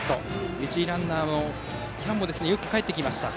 一塁ランナーの喜屋武もよくかえってきました。